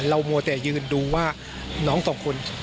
มัวแต่ยืนดูว่าน้องสองคน